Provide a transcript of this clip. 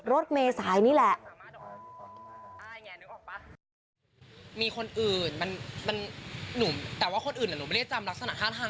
รถเมษายนนี่แหละ